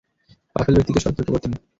গাফেল ব্যক্তিকে সতর্ক করতেন।